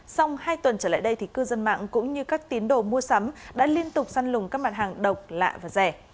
xong hai tuần trở lại đây cư dân mạng cũng như các tiến đồ mua sắm đã liên tục săn lùng các mặt hàng độc lạ và rẻ